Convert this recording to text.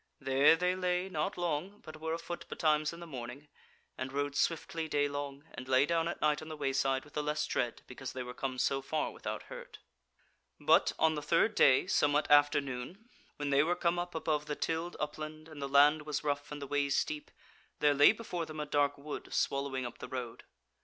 There they lay not long, but were afoot betimes in the morning, and rode swiftly daylong, and lay down at night on the wayside with the less dread because they were come so far without hurt. But on the third day, somewhat after noon, when they were come up above the tilled upland and the land was rough and the ways steep, there lay before them a dark wood swallowing up the road.